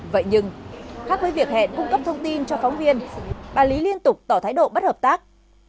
vậy nhưng khác với việc hẹn cung cấp thông tin cho phóng viên bà lý liên tục tỏ thái độ bất hợp tác